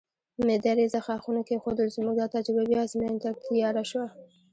مېده رېزه ښاخونه کېښودل، زموږ دا تجربه بیا ازموینې ته تیاره شوه.